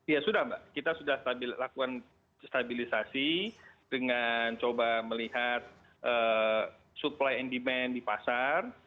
ya sudah mbak kita sudah lakukan stabilisasi dengan coba melihat supply and demand di pasar